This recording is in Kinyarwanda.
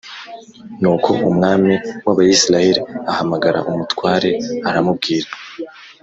Nuko umwami w’Abisirayeli ahamagara umutware aramubwira